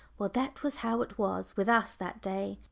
Well, that was how it was with us that day.